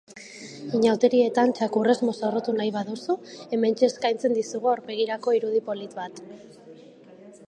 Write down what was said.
Inauterietan txakurrez mozorrotu nahi baduzu, hementxe eskaintzen dizugu aurpegirako irudi polit bat.